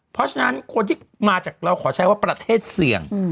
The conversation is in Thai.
เพราะฉะนั้นคนที่มาจากเราขอใช้ว่าประเทศเสี่ยง